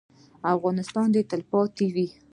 افغانستان به تلپاتې وي؟